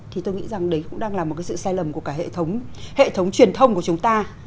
thì tôi nghĩ rằng đấy cũng đang là một cái sự sai lầm của cả hệ thống hệ thống truyền thông của chúng ta